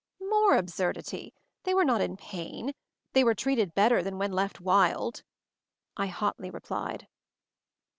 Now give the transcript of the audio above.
"More absurdity! They were not in pain. They were treated better than when left wild," I hotly replied.